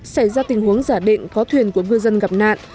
xảy ra tình huống giả định có thuyền của ngư dân gặp nạn